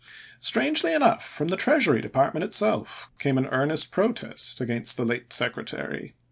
Strangely enough, from the Treasury Department itself came an earnest protest against the late Sec retary.